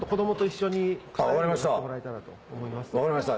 分かりました。